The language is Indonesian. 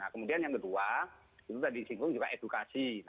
kemudian yang kedua itu tadi singgung juga edukasi